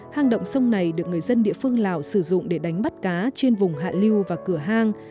hang động sông này được người dân địa phương lào sử dụng để đánh bắt cá trên vùng hạ lưu và cửa hang